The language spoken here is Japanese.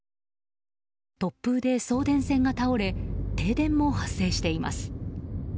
突風で送電線が倒れ停電も発生しています。